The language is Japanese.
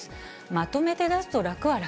まとめて出すと楽は楽。